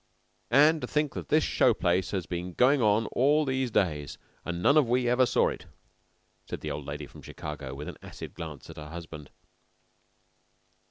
"And to think that this show place has been going on all these days an' none of we ever saw it," said the old lady from Chicago, with an acid glance at her husband.